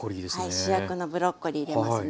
主役のブロッコリー入れますね。